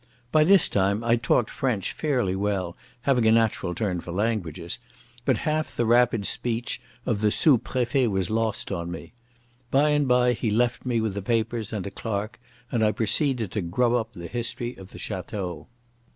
By this time I talked French fairly well, having a natural turn for languages, but half the rapid speech of the sous prefet was lost on me. By and by he left me with the papers and a clerk, and I proceeded to grub up the history of the Château.